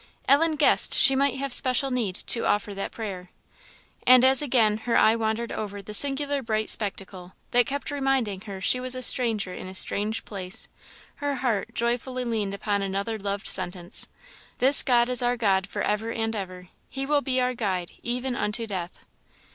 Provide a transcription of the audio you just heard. Ellen guessed she might have special need to offer that prayer. And as again her eye wandered over the singular bright spectacle, that kept reminding her she was a stranger in a strange place, her heart joyfully leaned upon another loved sentence "This God is our God for ever and ever, He will be our guide even unto death."